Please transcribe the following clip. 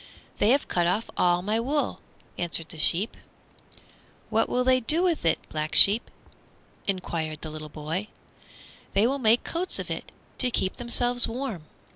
"They have cut off my wool," answered the sheep. [Illustration: The Black Sheep] "What will they do with it, Black Sheep?" enquired the little boy. "They will make coats of it, to keep themselves warm."